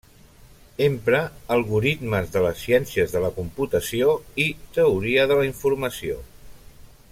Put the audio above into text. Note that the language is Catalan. Empra algoritmes de les ciències de la computació i teoria de la informació.